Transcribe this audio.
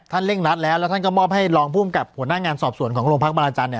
ท่านเล่งรัดแล้วแล้วท่านก็มอบให้รองภูมิกับผลงานงานสอบสวนของโรงพลักษณ์บางรจันทร์เนี่ย